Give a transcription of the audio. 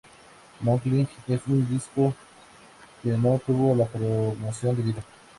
Moonlight" un disco que no tuvo la promoción debida.